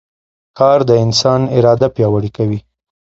کار د انسان اراده پیاوړې کوي